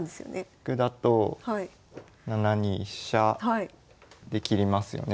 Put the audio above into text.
角だと７二飛車で切りますよね。